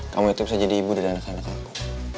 kamu itu bisa jadi ibu dan anak anak aku